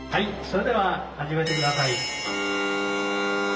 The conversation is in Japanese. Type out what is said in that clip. それでは始めて下さい」。